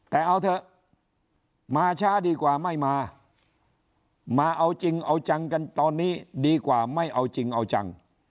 แต่เอาเถอะมาช้าดีกว่าไม่มามาเอาจริงเอาจังกันตอนนี้ดีกว่าไม่เอาจริงเอาจัง